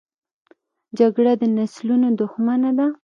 جګړه د نسلونو دښمنه ده